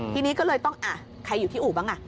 ทีนี้ก็เลยต้องใครอยู่ที่อู่บ้างอ่ะ